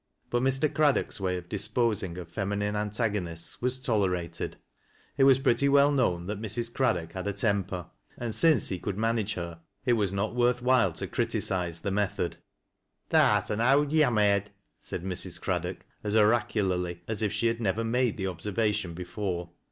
But Mr. Craddock's way of disposing of feminine antag onists was tolerated. It was pretty well known that Mrs. Craddock had a temper, and since he could manage her, it was not worth while to criticise the method. " Tha'rt an owd yommer head," said Mrs. Craddock, as oracularly as if she had never made the observation before.